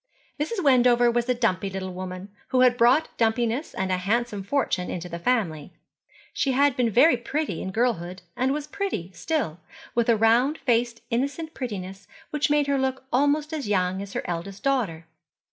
Mrs. Wendover was a dumpy little woman, who had brought dumpiness and a handsome fortune into the family. She had been very pretty in girlhood, and was pretty still, with a round faced innocent prettiness which made her look almost as young as her eldest daughter.